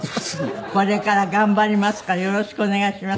「これから頑張りますからよろしくお願いします」って。